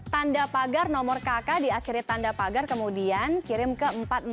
tanda pagar nomor kk di akhirnya tanda pagar kemudian kirim ke empat ribu empat ratus empat puluh empat